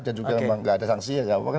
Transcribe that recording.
jangan jangan memang gak ada sangsi